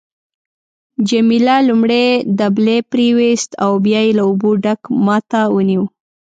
جميله لومړی دبلی پریویست او بیا یې له اوبو ډک ما ته ونیو.